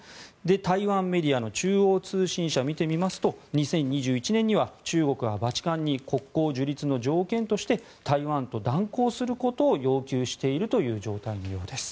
台湾メディアの中央通信社を見てみますと２０２１年には中国はバチカンに国交樹立の条件として台湾を断交することを要求しているという状態のようです。